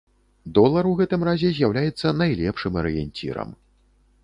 Долар у гэтым разе з'яўляецца найлепшым арыенцірам.